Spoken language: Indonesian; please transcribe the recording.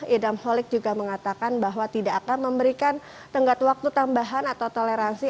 idam holik juga mengatakan bahwa tidak akan memberikan tenggat waktu tambahan atau toleransi